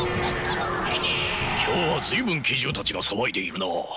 今日は随分奇獣たちが騒いでいるな。